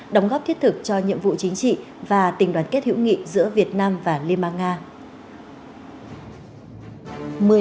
đóng góp thiết thực cho nhiệm vụ chính trị và tình đoàn kết hữu nghị giữa việt nam và liên bang nga